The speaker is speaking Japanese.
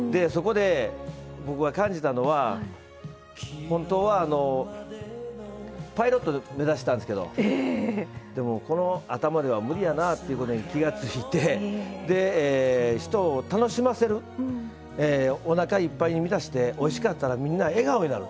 そこで僕が感じたのは本当はパイロットを目指してたんですけど、でもこの頭では無理やなってことに気がついて人を楽しませるおなかいっぱいに満たしておいしかったらみんな笑顔になる。